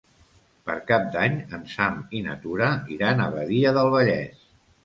Per Cap d'Any en Sam i na Tura iran a Badia del Vallès.